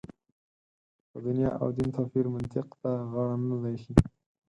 د دنیا او دین توپیر منطق ته غاړه نه ده اېښې.